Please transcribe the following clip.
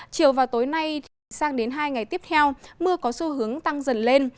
chiều và tối nay sang đến hai ngày tiếp theo mưa có xu hướng tăng dần lên